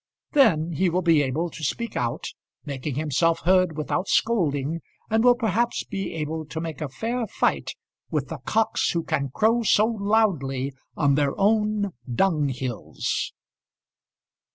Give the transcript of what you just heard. Then he will be able to speak out, making himself heard without scolding, and will perhaps be able to make a fair fight with the cocks who can crow so loudly on their own dunghills.